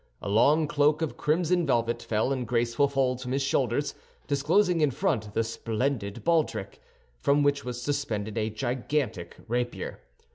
A long cloak of crimson velvet fell in graceful folds from his shoulders, disclosing in front the splendid baldric, from which was suspended a gigantic rapier.